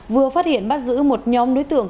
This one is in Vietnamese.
vừa phát hiện bắt giữ một nhóm đối tượng